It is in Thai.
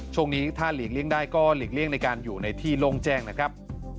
ช่วงนี้ถ้าหลีกเลี่ยงได้ก็หลีกเลี่ยงในการอยู่ในที่โล่งแจ้งนะครับ